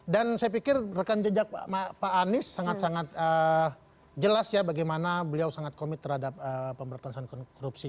jadi saya pikir rekan jejak pak anies sangat sangat jelas ya bagaimana beliau sangat komit terhadap pemberantasan korupsi